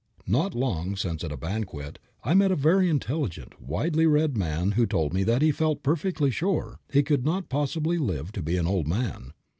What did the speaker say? Not long since, at a banquet, I met a very intelligent, widely read man who told me that he felt perfectly sure he could not possibly live to be an old man.